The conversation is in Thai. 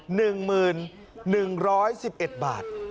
๑หมื่น๑๑๑บาท